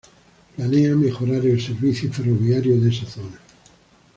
Planea mejorar el servicio ferroviario de esta zona.